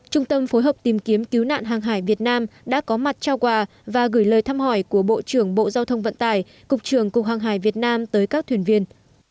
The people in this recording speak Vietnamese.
trung tâm phối hợp tìm kiếm cứu nạn hàng hải việt nam đã có mặt trao quà và gửi lời thăm hỏi của bộ trưởng bộ giao thông vận tải cục trưởng cục hàng hải việt nam tới các thuyền viên